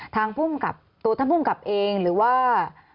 ทางภูมิกับตัวท่านภูมิกับเองหรือว่า